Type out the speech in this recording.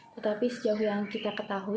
tetapi sejauh yang kita ketahui